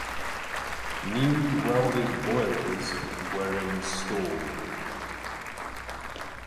New welded boilers were installed.